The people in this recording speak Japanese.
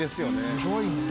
すごいね。